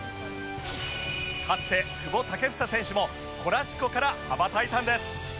かつて久保建英選手もコラシコから羽ばたいたんです